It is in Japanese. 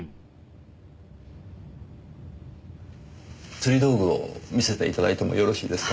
釣り道具を見せて頂いてもよろしいですか？